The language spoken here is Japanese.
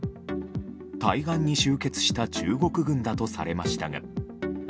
対岸に集結した中国軍だとされましたが。